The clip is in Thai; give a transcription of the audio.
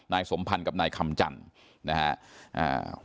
สมพันธ์กับนายคำจันทร์นะครับ